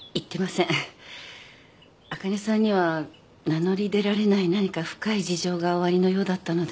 あかねさんには名乗り出られない何か深い事情がおありのようだったので。